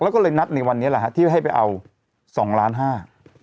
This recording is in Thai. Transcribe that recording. แล้วก็เลยนัดในวันนี้แหละฮะที่ให้ไปเอาสองล้านห้า